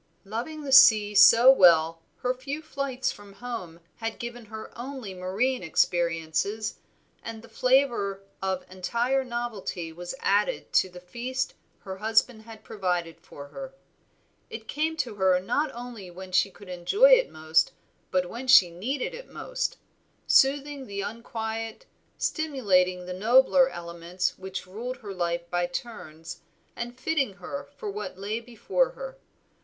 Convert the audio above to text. Loving the sea so well, her few flights from home had given her only marine experiences, and the flavor of entire novelty was added to the feast her husband had provided for her. It came to her not only when she could enjoy it most, but when she needed it most, soothing the unquiet, stimulating the nobler elements which ruled her life by turns and fitting her for what lay before her.